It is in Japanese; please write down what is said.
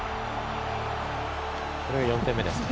これが４点目ですね。